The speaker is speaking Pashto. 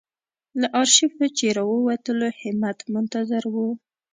له آرشیفه چې راووتلو همت منتظر و.